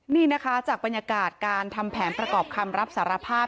นี่นะคะจากบรรยากาศการทำแผนประกอบคำรับสารภาพ